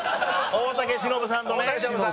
大竹しのぶさんの。